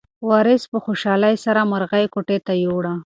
وارث په خوشحالۍ سره مرغۍ کوټې ته یووړه.